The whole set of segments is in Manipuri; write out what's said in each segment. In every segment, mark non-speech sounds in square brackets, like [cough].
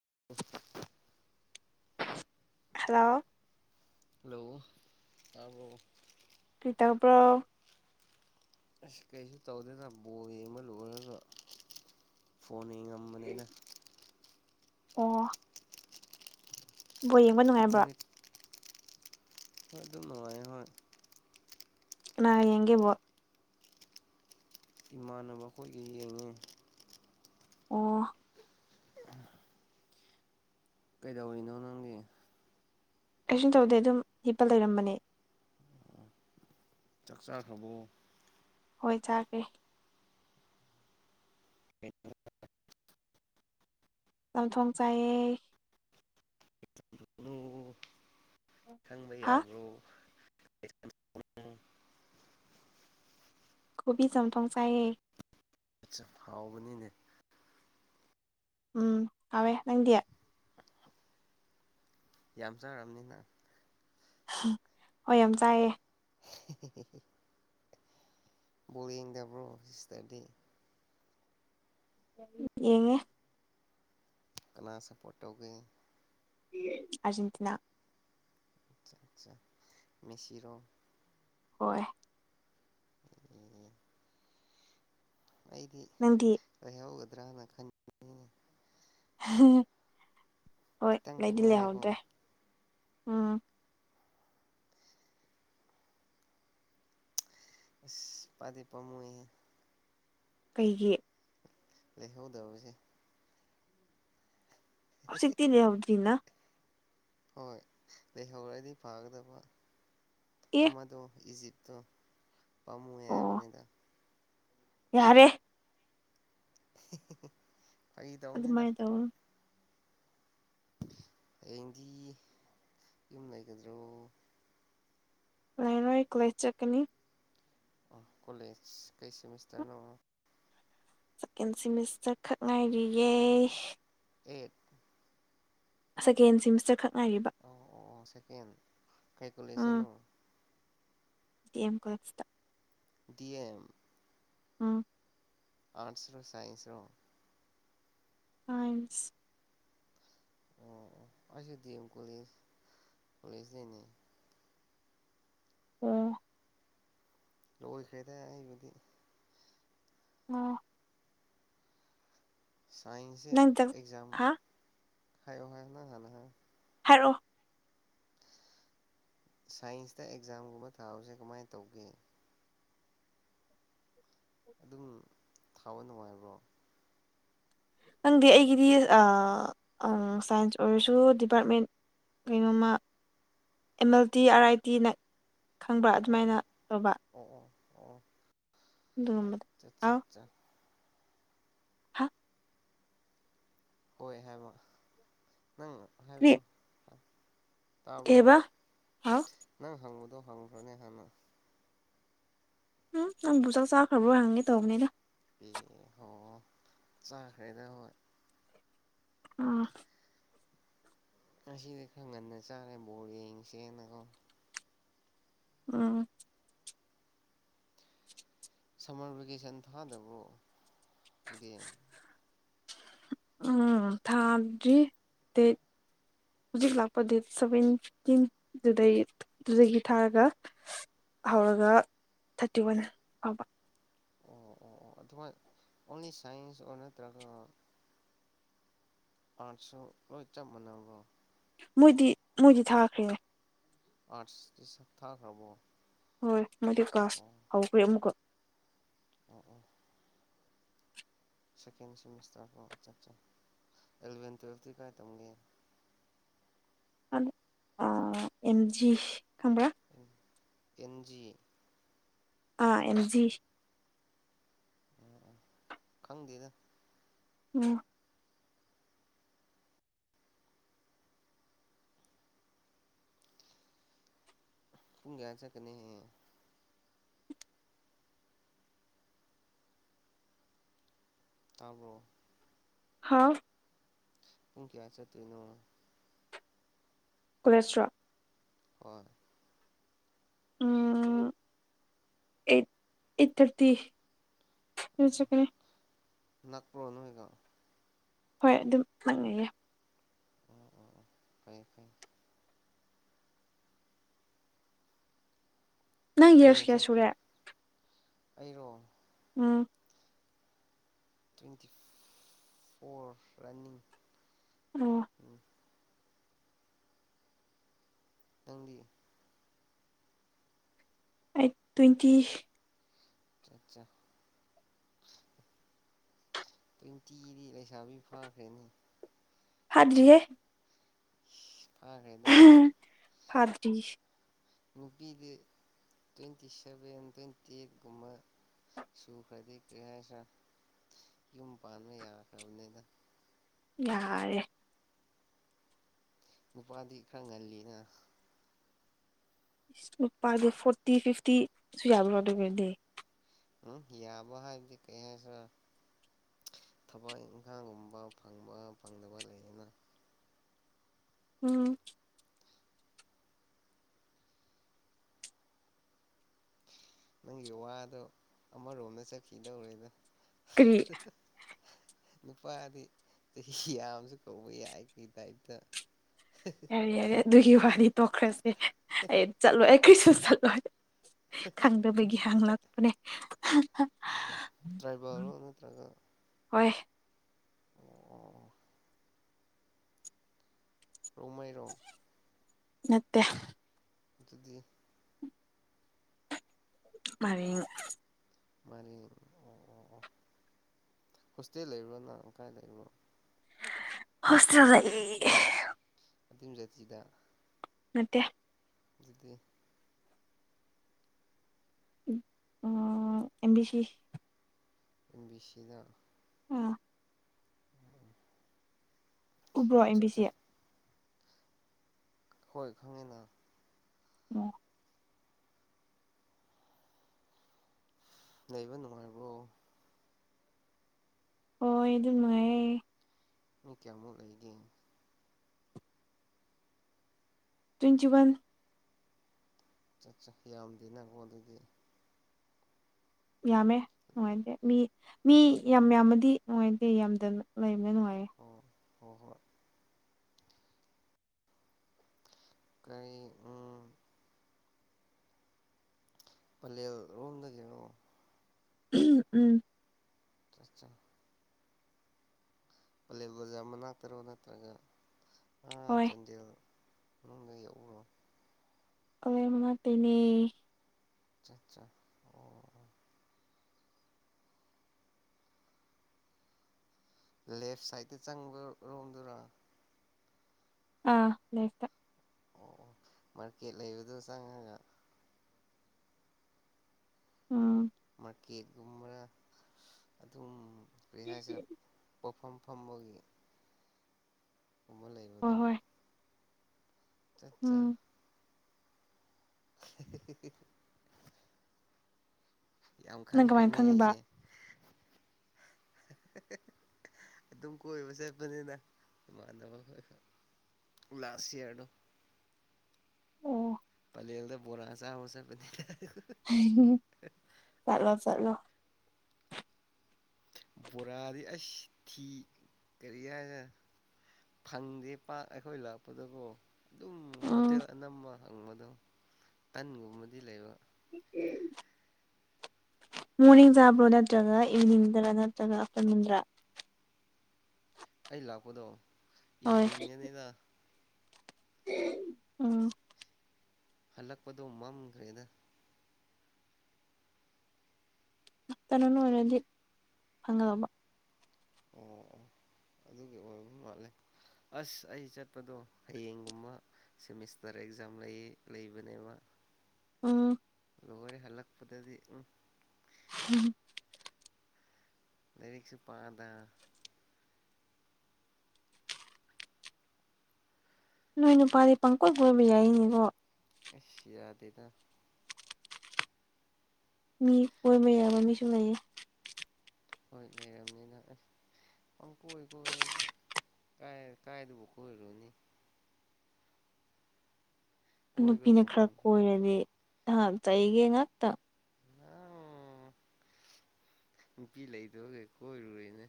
[inaudible] ꯍꯜꯂꯣ ꯍꯜꯂꯣ ꯇꯕ꯭ꯔꯣ? ꯀ꯭ꯔꯤꯇꯧꯕ꯭ꯔꯣ ꯑꯁ ꯀꯩꯁꯨ ꯇꯧꯗꯦꯗ ꯕꯣꯜ ꯌꯦꯡꯕ ꯂꯣꯏꯔꯒ ꯕꯣꯜꯅ ꯉꯝꯕꯅꯤꯅ ꯑꯣ ꯕꯣꯜ ꯌꯦꯡꯕ ꯅꯨꯡꯉꯥꯏꯕ꯭ꯔꯣ ꯅꯪꯗꯤ ꯍꯣꯏ ꯑꯗꯨꯝ ꯅꯨꯡꯉꯥꯏ ꯀꯥꯅꯒ ꯌꯦꯡꯒꯦ ꯕꯣꯜ ꯏꯃꯥꯟꯅꯕ ꯑꯩꯈꯣꯏꯈꯩ ꯌꯦꯡꯉꯤ ꯑꯣ ꯀꯩꯗꯧꯔꯤꯅꯣ ꯅꯪꯒꯤ ꯀꯩꯁꯨꯝ ꯇꯧꯗꯦ ꯑꯗꯨꯝ ꯍꯤꯞꯄ ꯂꯩꯔꯝꯕꯅꯦ ꯆꯥꯛ ꯆꯥꯥꯈ꯭ꯔꯕꯣ ꯍꯣꯏ ꯆꯥꯔꯦ ꯆꯝꯊꯣꯡ ꯆꯥꯏ ꯀꯩꯅꯣ ꯈꯪꯕ ꯍꯥ ꯌꯥꯕ꯭ꯔꯣ ꯀꯣꯕꯤ ꯆꯝꯊꯣꯡ ꯆꯥꯏꯌꯦ꯫ ꯍꯥꯎꯕꯅꯤꯅꯦ ꯎꯝ ꯍꯥꯎꯋꯦ ꯅꯪꯗꯤ ꯌꯥꯝ ꯆꯥꯔꯕꯅꯤꯅ ꯍꯣꯏ ꯌꯥꯝ ꯆꯥꯏꯌꯦ ꯕꯣꯜ ꯌꯦꯗꯕ꯭ꯔꯣ ꯁꯤꯁꯇꯔꯗꯤ ꯌꯦꯡꯉꯦ ꯀꯅꯥ ꯁꯞꯄ꯭ꯔꯣꯠ ꯇꯧꯒꯦ ꯑꯔꯖꯦꯟꯇꯤꯅꯥ ꯃꯤꯁꯤꯔꯣ ꯍꯣꯏ ꯑꯦ ꯑꯩꯗꯤ ꯅꯪꯗꯤ ꯂꯩꯍꯧꯒꯗ꯭ꯔꯅ ꯈꯟꯕꯅꯤꯅꯦ ꯍꯣꯏ ꯈꯤꯇꯪꯈꯛ ꯂꯩꯗꯤ ꯉꯥꯏꯔꯦꯀꯣ ꯂꯩꯍꯧꯗ꯭ꯔꯦ ꯄꯥꯝꯗꯤ ꯄꯥꯝꯃꯨꯏꯑꯦ ꯀꯩꯒꯤ ꯂꯩꯍꯧꯗꯕꯒꯤ ꯍꯧꯖꯤꯛꯇꯤ [unintelligible] ꯍꯣꯏ ꯂꯩꯍꯧꯔꯗꯤ ꯐꯥꯒꯗꯕ ꯑꯦ ꯑꯃꯗꯣ ꯏꯖꯤꯞ ꯄꯥꯝꯃꯨꯏꯑꯦ ꯑꯣ ꯍꯥꯏꯕꯅꯤꯗ ꯌꯥꯔꯦ ꯐꯥꯒꯤ ꯇꯧꯅꯤꯗ ꯑꯗꯨꯃꯥꯏꯅ ꯇꯧ ꯍꯌꯦꯡꯗꯤ ꯌꯨꯝ ꯂꯩꯒꯗ꯭ꯔꯣ ꯂꯩꯔꯣꯏ ꯑꯩ ꯀꯣꯂꯦꯖ ꯆꯠꯀꯅꯤ ꯀꯣꯂꯦꯖ ꯀꯩ ꯁꯦꯃꯤꯁꯇꯔ ꯅꯣ ꯁꯦꯀꯦꯟ ꯁꯤꯃꯤꯁꯇꯔ ꯈꯛ ꯉꯥꯏꯔꯤꯌꯦ ꯑꯦ ꯁꯦꯀꯦꯟ ꯁꯤꯃꯤꯁꯇꯔ ꯈꯛ ꯉꯥꯏꯔꯤꯕ ꯑꯦ ꯀꯩ ꯎꯝ ꯀꯣꯂꯦꯖꯇꯅꯣ ꯗꯤ ꯑꯦꯝ ꯀꯦꯂꯦꯖꯇ ꯗꯤ ꯑꯦꯝ ꯑꯝ ꯑꯔꯠꯁ ꯔꯣ ꯁꯥꯏꯟꯁ ꯔꯣ ꯁꯥꯏꯟꯁ ꯑꯣ ꯑꯩꯁꯨ ꯗꯤ ꯑꯦꯝ ꯀꯣꯂꯦꯖ ꯀꯣꯂꯦꯖꯇꯩꯅꯤ ꯑꯣ ꯂꯣꯏꯈ꯭ꯔꯦꯗ ꯑꯩꯕꯨꯗꯤ ꯑꯣ ꯁꯥꯏꯟꯁꯁꯦ ꯅꯪ ꯆꯥꯛ ꯑꯦꯛꯖꯝ ꯍꯥ ꯍꯥꯏꯌꯣ ꯍꯥꯏꯌꯣ ꯅꯪ ꯍꯥꯟꯅ ꯍꯥꯏꯌꯣ ꯍꯥꯏꯔꯛꯑꯣ ꯁꯥꯏꯟꯁꯇ ꯑꯦꯛꯖꯥꯝꯒꯨꯝꯕ ꯊꯥꯕꯁꯦ ꯀꯃꯥꯏ ꯇꯧꯒꯦ ꯑꯗꯨꯝ ꯊꯥꯕ ꯅꯨꯡꯉꯥꯏꯕ꯭ꯔꯣ ꯈꯪꯗꯦ ꯑꯩꯒꯤꯗꯤ ꯑꯥ ꯑꯪ ꯁꯥꯏꯟꯁ ꯑꯣꯏꯔꯁꯨ ꯗꯤꯄꯥꯔꯠꯃꯦꯟ ꯀꯩꯅꯣꯃ M L T R I ꯇꯤꯅ ꯈꯪꯕ꯭ꯔꯥ ꯑꯗꯨꯃꯥꯏꯅ ꯑꯣ ꯇꯧꯕ ꯑꯣ ꯑꯣ ꯑꯣ ꯑꯣ ꯑꯗꯨꯒꯨꯝꯕꯗꯣ ꯆꯠ ꯆꯠ [unintelligible] ꯆꯥ ꯍꯥ ꯍꯣꯏ ꯍꯥꯏꯕ ꯅꯪ ꯀꯔꯤ ꯍꯥꯏꯕꯗꯣ ꯇꯥꯕ꯭ꯔꯣ ꯀꯩꯕ ꯍꯥꯎ ꯅꯪ ꯍꯪꯕꯗꯣ ꯍꯪꯈ꯭ꯔꯣꯅꯦ ꯍꯥꯟꯅ ꯁꯨꯝ ꯅꯪꯕꯨ ꯆꯥꯛ ꯆꯥꯈ꯭ꯔꯕꯣꯏ ꯍꯪꯒꯦ ꯇꯧꯕꯅꯤꯗ ꯑꯣ ꯍꯣ ꯆꯥꯈ꯭ꯔꯦꯗ ꯍꯣꯏ ꯑꯝ ꯉꯁꯤꯗꯤ ꯈꯔ ꯉꯟꯅ ꯆꯥꯔꯦ ꯕꯣꯜ ꯌꯦꯡꯁꯦꯅꯀꯣ ꯑꯝ ꯁꯃꯔ ꯚꯦꯀꯦꯁꯟ ꯊꯥꯗꯕꯔꯣ [unintelligible] ꯎꯝ ꯊꯥꯗ꯭ꯔꯤ ꯗꯦꯠ ꯍꯧꯖꯤꯛ ꯂꯥꯛꯄ ꯗꯦꯠ ꯁꯕꯦꯟꯇꯤꯟꯗꯨꯗꯩ ꯑꯗꯨꯗꯒꯤ ꯊꯥꯔꯒ ꯍꯧꯔꯒ ꯊꯥꯔꯇꯤ ꯋꯥꯟ ꯐꯥꯎꯕ ꯑꯣ ꯑꯣ ꯑꯣ ꯑꯗꯨ ꯍꯣꯏ ꯑꯣꯟꯂꯤ ꯁꯥꯏꯟꯁ ꯑꯣꯔ ꯅꯠꯇ꯭ꯔꯒ ꯑꯥꯔꯠꯁꯨ ꯂꯣꯏ ꯆꯞ ꯃꯥꯅꯕꯣ ꯃꯣꯏꯗꯤ ꯃꯣꯏꯗꯤ ꯊꯈ꯭ꯔꯦ ꯑꯥ꯭ꯔꯠ ꯊꯈ꯭ꯔꯕꯣ ꯍꯣꯏ ꯃꯣꯏꯗꯤ ꯀ꯭ꯂꯥꯁ ꯍꯧꯈ꯭ꯔꯦ ꯑꯃꯨꯛꯀ ꯑꯣ ꯑꯣ ꯁꯦꯀꯦꯟ ꯁꯦꯃꯤꯁꯇꯔ ꯀꯣ ꯑꯆꯥꯆꯥ ꯏꯂꯚꯦꯟ ꯇ꯭ꯋꯦꯞꯇꯤ ꯀꯥꯏ ꯊꯝꯒꯦ [inaudible] ꯑꯗ ꯑꯥ ꯑꯦꯝꯖꯤ ꯈꯪꯕ꯭ꯔ ꯑꯦꯟ ꯖꯤ ꯑꯥ ꯑꯦꯝꯖꯤ ꯑꯣ ꯑꯣ ꯈꯪꯗꯦꯗ ꯑꯣ ꯄꯨꯡ ꯄꯌꯥ ꯆꯠꯀꯅꯤ ꯍꯌꯦꯡ ꯇꯕ꯭ꯔꯣ ꯍꯥꯥꯎ ꯄꯨꯡ ꯀꯌꯥ ꯆꯠꯇꯣꯏꯅꯣ ꯀꯣꯂꯦꯁꯇ꯭ꯔꯣ ꯍꯣꯏ [inaudible] ꯑꯦꯠ ꯑꯦꯠ ꯊꯥꯔꯇꯤ ꯗꯨ ꯆꯠꯀꯅꯤ ꯅꯥꯛꯄ꯭ꯔꯣ ꯅꯣꯏꯒ ꯍꯣꯏ ꯑꯗꯨꯝ ꯅꯛꯅꯩꯌꯦ ꯎꯝ ꯎꯝ ꯐꯩ ꯐꯩ ꯅꯪ ꯀꯩꯅ ꯌꯥꯔꯁ ꯀꯌꯥ ꯆꯠꯀꯦ ꯁꯨꯔꯦ ꯑꯩꯔꯣ ꯑꯥ ꯇ꯭ꯋꯦꯟꯇꯤ ꯐꯣꯔ ꯔꯟꯅꯤꯡ ꯑꯣ ꯎꯝ ꯅꯪꯗꯤ ꯑꯩꯠ ꯇ꯭ꯋꯦꯟꯇꯤ ꯑꯠꯆꯥ ꯆꯥ ꯇ꯭ꯋꯦꯟꯇꯤꯗꯤ ꯂꯩꯁꯥꯕꯤ ꯐꯥꯈ꯭ꯔꯦꯅꯦ ꯐꯥꯗ꯭ꯔꯤꯍꯦ ꯏꯁ ꯐꯥꯈ꯭ꯔꯦꯗ ꯐꯥꯗ꯭ꯔꯤ ꯅꯨꯄꯤꯗꯤ ꯇ꯭ꯋꯦꯟꯇꯤ ꯁꯚꯦꯟ ꯇ꯭ꯋꯦꯟꯇꯤ ꯑꯦꯠꯀꯨꯝꯕ ꯁꯨꯈ꯭ꯔꯗꯤ ꯀꯩ ꯍꯥꯏꯁꯤꯔ ꯌꯨꯝ ꯄꯥꯟꯕ ꯌꯥꯈ꯭ꯔꯕꯅꯦꯗ ꯌꯥꯔꯦ ꯅꯨꯄꯥꯗꯤ ꯈꯔ ꯉꯜꯂꯤꯅ ꯏꯁ ꯅꯨꯄꯥꯗꯤ ꯐꯣꯔꯇꯤ ꯐꯤꯐꯇꯤꯁꯨ ꯌꯥꯕ꯭ꯔꯣ ꯑꯗꯨ ꯑꯣꯏꯗꯤ ꯎꯝ ꯌꯥꯕ ꯍꯥꯏꯗꯤ ꯀꯩꯍꯥꯏꯁꯤꯔ ꯊꯕꯛ ꯏꯪꯈꯥꯡꯒꯨꯝꯕ ꯐꯪꯕ ꯐꯪꯗꯕ ꯂꯩꯗꯅ ꯎꯝ ꯅꯪꯒꯤ ꯋꯥꯗꯣ ꯑꯃꯔꯣꯝꯗ ꯆꯠꯈꯤꯗꯧꯔꯦꯗ ꯀ꯭ꯔꯤ ꯅꯨꯄꯥꯗꯤ ꯆꯍꯤ ꯌꯥꯝꯁꯨ ꯀꯧꯕ ꯌꯥꯏ ꯀꯩ ꯇꯥꯏꯞꯇ ꯌꯥꯔꯦ ꯌꯥꯔꯦ ꯑꯗꯨꯒꯤ ꯋꯥꯗꯤ ꯇꯣꯛꯈ꯭ꯔꯁꯦ ꯑꯩ ꯆꯠꯂꯣꯏ ꯑꯩ ꯀꯔꯤꯁꯨ ꯆꯠꯂꯣꯏ ꯈꯪꯗꯕꯒꯤ ꯍꯪꯂꯛꯄꯅꯦ ꯇ꯭ꯔꯥꯏꯕꯦꯜꯔꯣ ꯅꯠꯇ꯭ꯔꯒ ꯍꯣꯏ [unintelligible] ꯔꯣꯡꯃꯩꯔꯣ ꯅꯠꯇꯦ ꯑꯗꯨꯗꯤ ꯃꯥꯔꯤꯡ ꯃꯥꯔꯤꯡ ꯑꯣ ꯑꯣ ꯑꯣ ꯍꯣꯁꯇꯦꯜ ꯂꯩꯕ꯭ꯔꯣ ꯅꯪ ꯀꯥꯏ ꯂꯩꯕ꯭ꯔꯣ ꯍꯣꯁꯇꯦꯜ ꯂꯩ ꯑꯗꯨꯝ ꯖꯥꯇꯤꯗ ꯅꯠꯇꯦ ꯑꯗꯨꯗꯤ ꯑꯣ M B C M B C ꯗ ꯑꯥ ꯀꯨꯕ꯭ꯔꯣ ꯑꯦꯝ ꯕꯤ ꯆꯠ ꯁꯤ ꯆꯠ ꯍꯣꯏ ꯈꯪꯉꯦꯅ ꯑꯣ ꯂꯩꯕ ꯅꯨꯉꯥꯢꯕꯔꯣ ꯍꯣꯏ ꯑꯗꯨꯝ ꯅꯨꯉꯥꯢꯌꯦ ꯃꯤ ꯀꯌꯥꯃꯨꯛ ꯂꯩꯒꯦ ꯇ꯭ꯋꯦꯟꯇꯤ ꯋꯥꯟ ꯆꯥꯠ ꯆꯥ ꯌꯥꯝꯗꯦꯅ ꯀꯣ ꯑꯗꯨꯗꯤ ꯌꯥꯝꯃꯦ ꯅꯨꯡꯉꯥꯏꯇꯦ ꯃꯤ ꯃꯤ ꯌꯥꯝ ꯌꯥꯝꯃꯗꯤ ꯅꯨꯡꯉꯥꯏꯇꯦ ꯌꯥꯝꯗꯅ ꯂꯩ ꯂꯩꯕ ꯅꯨꯡꯉꯥꯢꯌꯦ ꯍꯣ ꯍꯣꯏ ꯀꯔꯤ ꯎꯝ ꯄꯂꯦꯜ ꯔꯣꯝꯗꯒꯤꯔꯣ ꯎꯝ ꯆꯥ ꯆꯥ ꯄꯂꯦꯜ ꯕꯖꯔ ꯃꯅꯥꯛꯇꯔꯣ ꯅꯠꯇ꯭ꯔꯒ ꯑꯥ ꯍꯣꯏ ꯆꯟꯗꯦꯜ ꯃꯅꯨꯡꯗ ꯌꯥꯎꯕꯔꯣ ꯄꯂꯦꯟ ꯃꯅꯛꯇꯩꯅꯦ ꯑꯆꯥ ꯑꯆꯥ ꯑꯣ ꯂꯦꯐ ꯁꯥꯏꯗꯇ ꯆꯪꯕ ꯔꯣꯝꯗꯨꯔ ꯑꯥ ꯂꯦꯞꯇ ꯑꯣ ꯑꯣ ꯃꯥꯔꯀꯦꯠ ꯂꯩꯕꯗꯣ ꯆꯪꯉꯒ ꯎꯝ ꯃꯥꯔꯀꯦꯠꯒꯨꯝꯕ ꯑꯗꯨꯝ ꯀꯔꯤ ꯍꯥꯏꯁꯤꯔ ꯄꯣꯠꯐꯝ ꯐꯝꯕꯒꯤ ꯒꯨꯝꯕ ꯍꯣꯏ ꯂꯩꯕꯗꯣ ꯍꯣꯏ ꯆꯠ ꯆꯥ ꯎꯝ [unintelligible] ꯌꯥꯝ ꯅꯪ ꯀꯃꯥꯏꯅ ꯈꯪꯈ꯭ꯔꯦꯅꯦ ꯈꯪꯉꯤꯕ ꯑꯩꯁꯦ ꯑꯗꯨꯝ ꯀꯣꯏꯕ ꯆꯠꯄꯅꯤꯅ ꯏꯃꯥꯟꯅꯕ ꯈꯣꯏꯒ ꯂꯥꯁ ꯏꯌꯔꯗꯣ ꯑꯣ ꯄꯂꯦꯜꯗ ꯕꯣꯔꯥꯥ ꯆꯥꯕ ꯆꯠꯄꯅꯤꯗ ꯆꯠꯂꯣ ꯆꯠꯂꯣ ꯕꯣꯔꯥꯗꯤ ꯑꯩꯁ ꯇꯤ ꯀꯔꯤ ꯍꯥꯢꯁꯦꯔ ꯐꯪꯗꯦ ꯄꯥꯛ ꯑꯩꯈꯣꯏ ꯂꯥꯛꯄꯗꯕꯣ ꯑꯗꯨꯝ ꯎꯝ ꯍꯣꯇꯦꯜ ꯑꯅꯝꯕ ꯍꯪꯕꯗꯣ ꯇꯟꯒꯨꯝꯕꯗꯤ ꯂꯩꯕ [unintelligible] ꯃꯣꯔꯅꯤꯡ ꯆꯥꯕ꯭ꯔꯣ ꯅꯠꯇ꯭ꯔꯒ ꯏꯚꯤꯅꯤꯡꯗꯔ ꯅꯠꯇ꯭ꯔꯒ ꯑꯐꯇꯔꯅꯨꯟꯗ꯭ꯔꯥ ꯑꯩ ꯂꯥꯛꯀꯣꯗ ꯍꯣꯏ ꯏꯚꯅꯤꯡꯗꯅꯦꯗ ꯎꯝ ꯍꯜꯂꯛꯄꯗꯣ ꯃꯝꯈ꯭ꯔꯦꯗ ꯅꯇꯅꯣꯅ ꯑꯣꯏꯔꯗꯤ ꯐꯪꯉꯗꯕ ꯑꯣ ꯑꯣ ꯑꯗꯨꯒꯤ ꯑꯣꯏ ꯃꯥꯠꯂꯦ ꯑꯁ ꯑꯩ ꯆꯠꯄꯗꯣ ꯍꯌꯦꯡꯒꯨꯝꯕ ꯁꯦꯃꯤꯁꯇꯔ ꯑꯦꯛꯖꯥꯝ ꯂꯩꯌꯦ ꯂꯩꯕꯅꯦꯕ ꯎꯝ ꯂꯣꯏꯅ ꯍꯜꯂꯛꯄꯗꯗꯤ ꯎꯝ ꯎꯝ ꯂꯥꯏꯔꯤꯛꯁꯨ ꯄꯥꯗ ꯅꯣꯏ ꯅꯨꯄꯥꯗꯤ ꯄꯪꯀꯣꯏꯕ ꯀꯣꯏꯕ ꯌꯥꯏꯅꯦꯕꯣ ꯑꯁ ꯌꯥꯗꯦꯗ ꯃꯤ ꯀꯣꯏꯕ ꯌꯥꯕ ꯃꯤꯁꯨ ꯂꯩꯌꯦ ꯍꯣꯏ ꯂꯩꯔꯝꯅꯤꯗ ꯍꯣꯏ ꯀꯥꯏ ꯀꯥꯗꯕꯨ ꯀꯣꯢꯔꯨꯅꯤ ꯀꯣꯏꯕ ꯅꯨꯄꯤꯅ ꯈꯔ ꯃꯐꯝꯁꯤ ꯀꯣꯏꯔꯗꯤ ꯅꯍꯥꯛ ꯆꯩꯒꯦ ꯉꯥꯛꯇ ꯑꯝ ꯅꯨꯄꯤ ꯂꯩꯗꯣ ꯀꯩ ꯀꯣꯏꯔꯨꯢꯅꯦ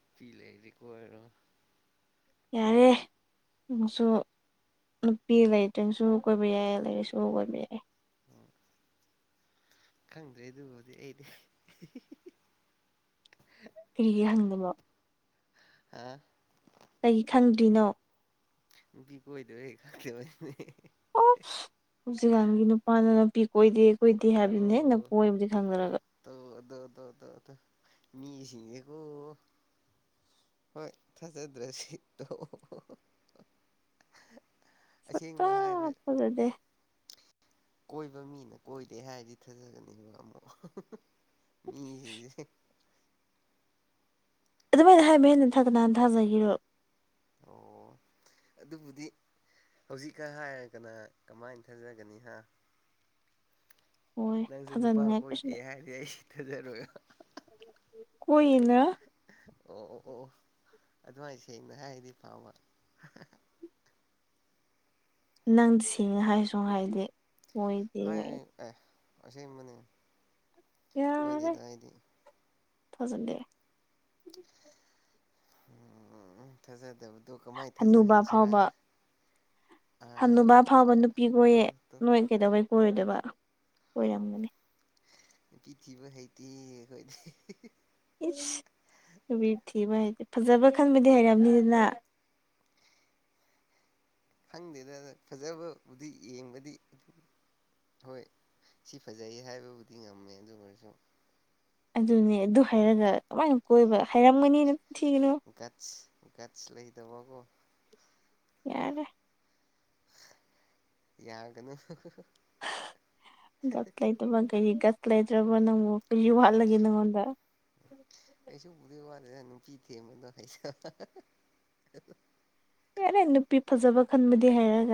ꯅꯨꯄꯤ ꯂꯩꯔꯗꯤ ꯀꯣꯏꯔꯣ ꯌꯥꯔꯦ ꯅꯪꯁꯨ ꯅꯨꯄꯤ ꯂꯩꯇ꯭ꯔꯁꯨ ꯀꯣꯏꯕ ꯌꯥꯏ ꯂꯩꯔꯁꯨ ꯀꯣꯏꯕ ꯌꯥꯏ ꯈꯪꯗ꯭ꯔꯦ ꯑꯗꯨꯕꯨꯗꯤ ꯑꯩꯗꯤ ꯀꯔꯤꯒꯤ ꯍꯪꯗꯕ ꯑꯥ ꯀꯔꯤ ꯈꯪꯗ꯭ꯔꯤꯅꯣ ꯅꯨꯄꯤ ꯀꯣꯏꯗꯕꯩ ꯈꯪꯗꯕꯅꯦ ꯑꯁ ꯍꯧꯖꯤꯛꯀꯥꯟꯒꯤ ꯅꯨꯄꯥꯅ ꯀꯣꯏꯗꯦ ꯀꯣꯏꯗꯦ ꯇꯣ ꯍꯥꯏꯕꯗꯨꯅꯦ ꯅꯪꯀꯣꯏꯕꯨꯗꯤ ꯈꯪꯅꯔꯒ ꯗꯣꯗꯣꯗꯣ ꯗꯣ ꯃꯤꯁꯤꯡꯉꯦꯀꯣ ꯍꯣꯏ ꯊꯖꯗ꯭ꯔꯗꯤ ꯇꯣꯛꯑꯣ ꯁꯨꯛꯊꯥ ꯑꯁꯦꯡꯕ ꯍꯥꯏꯕ ꯊꯥꯖꯗꯦ ꯀꯣꯏꯕ ꯃꯤꯅ ꯀꯣꯏꯗꯦ ꯍꯥꯏꯔꯗꯤ ꯊꯥꯖꯒꯅꯤꯕ ꯑꯃꯛ ꯃꯤꯁꯤꯡꯁꯦ ꯑꯗꯨꯃꯥꯏꯅ ꯍꯥꯏꯕꯦ ꯅꯟꯊꯗ ꯅꯍꯥꯟ ꯊꯥꯖꯒꯦꯔꯣ ꯑꯣ ꯑꯗꯨꯕꯨꯗꯤ ꯍꯧꯖꯤꯛꯀ ꯍꯥꯏꯔꯒꯅ ꯀꯃꯥꯏꯅ ꯊꯥꯖꯒꯅꯤ ꯍꯥ ꯍꯣꯏ ꯅꯪꯁꯨ ꯅꯨꯄꯥ ꯊꯥꯖꯅꯤꯡꯉꯥꯏ ꯀꯩꯁꯨ ꯀꯣꯏꯗꯦ ꯂꯩ ꯍꯥꯏꯗꯤ ꯑꯩ ꯁꯨ ꯊꯖꯥꯔꯣꯏꯕ ꯀꯣꯏꯅ ꯑꯣ ꯑꯣ ꯑꯣ ꯑꯗꯨꯃꯥꯏ ꯁꯦꯡꯅ ꯍꯥꯏꯔꯗꯤ ꯐꯥꯕ ꯅꯪ ꯁꯦꯡꯅ ꯍꯥꯏꯁꯨ ꯍꯥꯏꯗꯦ ꯀꯣꯏꯗꯦ ꯀꯥꯏꯅ ꯍꯥꯏ ꯑꯦ ꯑꯁꯦꯡꯕꯅꯦ ꯀꯣꯏꯗꯤ ꯀꯥꯏꯗꯒꯤ ꯊꯖꯗꯦ ꯎꯝ ꯊꯥꯖꯗꯕꯗꯣ ꯀꯃꯥꯏꯅ ꯊꯥꯖꯍꯟꯁꯤꯔ ꯍꯥꯅꯨꯨꯕꯥ ꯐꯥꯎꯕ ꯅꯨꯄꯤ ꯀꯣꯏꯌꯦ ꯇꯣ ꯇꯣ ꯅꯣꯏ ꯀꯩꯗꯧꯕꯩ ꯀꯣꯏꯔꯣꯏꯗꯣꯏꯕ ꯀꯣꯏꯔꯝꯒꯅꯤ ꯅꯨꯄꯤꯊꯤꯕꯤ ꯍꯩꯇꯦ ꯑꯩꯈꯣꯏꯗꯤ ꯏꯁ ꯅꯨꯄꯤ ꯊꯤꯕ ꯍꯥꯏꯇꯦ ꯐꯖꯕ ꯈꯟꯕꯗꯤ ꯍꯩꯔꯝꯒꯑꯅꯤꯗꯅ ꯈꯪꯗꯦꯗ ꯐꯖꯕꯕꯨꯗꯤ ꯌꯦꯡꯕꯗꯤ ꯍꯣꯏ ꯁꯤ ꯐꯖꯩ ꯍꯥꯏꯕꯕꯨꯗꯤ ꯉꯝꯃꯦ ꯑꯗꯨ ꯑꯣꯏꯔꯁꯨ ꯑꯗꯨꯅꯦ ꯑꯗꯨ ꯍꯥꯏꯔꯒ ꯑꯗꯨꯃꯥꯏꯅ ꯀꯣꯏꯕ ꯍꯥꯏꯔꯝꯒꯅꯤ ꯅꯝ ꯒꯠꯁ ꯒꯠꯁ ꯂꯩꯇꯕꯀꯣ ꯌꯥꯔꯦ ꯌꯥꯒꯅꯨ ꯒꯞ ꯂꯩꯇꯕ ꯀꯩꯔꯤ ꯒꯁ ꯂꯩꯇ꯭ꯔꯕ ꯅꯪꯕꯨ ꯀꯔꯤ ꯋꯥꯠꯂꯒꯦ ꯅꯪꯉꯣꯟꯗ ꯀꯩꯁꯨꯕꯨꯗꯤ ꯋꯥꯠ ꯅꯨꯄꯤꯊꯦꯝꯕꯗꯣ ꯍꯩꯇꯕ ꯌꯥꯔꯦ ꯅꯨꯄꯤ ꯐꯖꯕ ꯈꯟꯕꯗꯤ ꯍꯩꯔꯒ